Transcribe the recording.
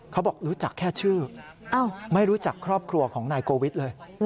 เขาบอกรู้จักแค่ชื่อไม่รู้จักครอบครัวของนายโกวิทย์เลย